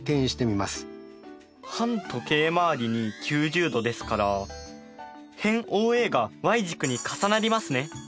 反時計回りに９０°ですから辺ＯＡがｙ軸に重なりますね。